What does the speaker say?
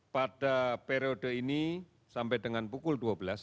pada periode ini sampai dengan pukul dua belas